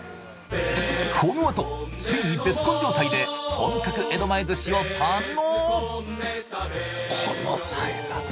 このあとついにベスコン状態で本格江戸前寿司を堪能